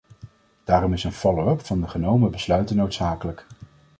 Daarom is een follow-up van de genomen besluiten noodzakelijk.